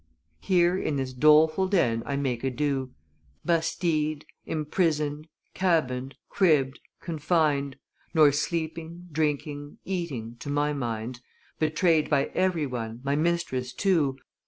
Here in this doleful den I make ado, Bastilled, imprisoned, cabined, cribbed, confined, Nor sleeping, drinking, eating to my mind; Betrayed by every one, my mistress too!